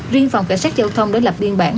riêng phòng cảnh sát giao thông đã lập biên bản